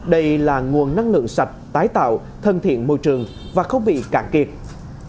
đây là nguồn năng lượng sạch tái tạo thân thiện môi trường và khó khăn cạn kiệt